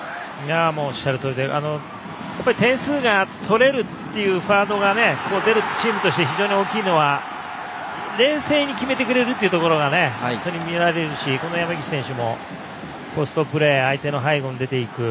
おっしゃるとおりで点数が取れるというフォワードが出るチームとして非常に大きいのは冷静に決めてくれるのが見られるし山岸選手もポストプレー相手の背後に出ていく